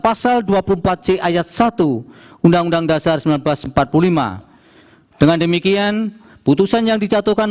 pasal dua puluh empat c ayat satu undang undang dasar seribu sembilan ratus empat puluh lima dengan demikian putusan yang dijatuhkan